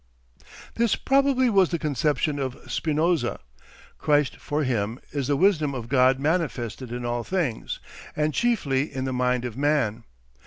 * This probably was the conception of Spinoza. Christ for him is the wisdom of God manifested in all things, and chiefly in the mind of man.